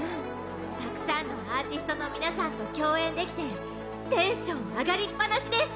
たくさんのアーティストの方々と共演できてテンション上がりっぱなしです！